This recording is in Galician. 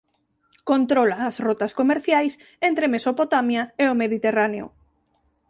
Controla as rotas comerciais entre Mesopotamia e o Mediterráneo.